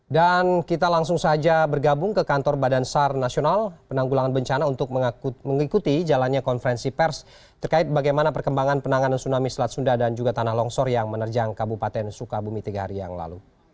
dan kita langsung saja bergabung ke kantor badan sar nasional penanggulangan bencana untuk mengikuti jalannya konferensi pers terkait bagaimana perkembangan penanganan tsunami selat sunda dan juga tanah longsor yang menerjang kabupaten sukabumi tiga hari yang lalu